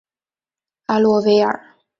阿洛维尔。